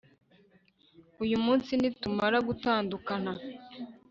uyu munsi nitumara gutandukana